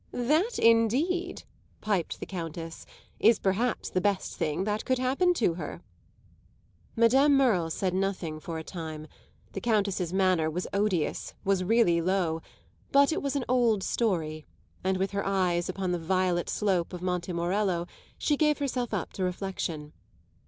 "That indeed," piped the Countess, "is perhaps the best thing that could happen to her!" Madame Merle said nothing for some time. The Countess's manner was odious, was really low; but it was an old story, and with her eyes upon the violet slope of Monte Morello she gave herself up to reflection.